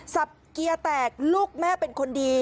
เกียร์แตกลูกแม่เป็นคนดี